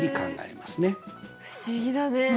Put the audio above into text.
不思議だね。